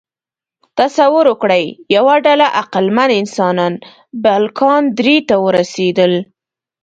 تصور وکړئ، یوه ډله عقلمن انسانان بالکان درې ته ورسېدل.